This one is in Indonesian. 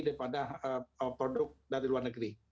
daripada produk dari luar negeri